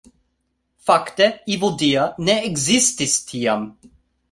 Fakte Evildea ne ekzistis tiam